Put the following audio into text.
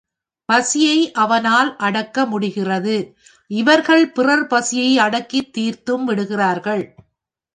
பசியை அவனால் அடக்க முடிகிறது இவர்கள் பிறர் பசியை அடக்கித் தீர்த்தும்விடுகிறார்கள்.